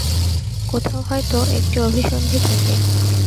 কোথাও হয়তো একটি অভিসন্ধি থাকে।